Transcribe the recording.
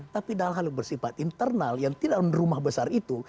tapi dalam hal bersifat internal yang tidak rumah besar itu